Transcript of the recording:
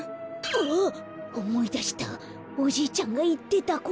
あっおもいだしたおじいちゃんがいってたこと。